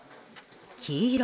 黄色？